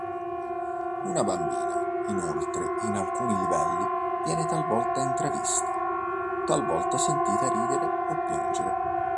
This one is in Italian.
Una bambina, inoltre, in alcuni livelli viene talvolta intravista, talvolta sentita ridere o piangere.